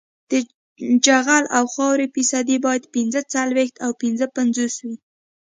د جغل او خاورې فیصدي باید پینځه څلویښت او پنځه پنځوس وي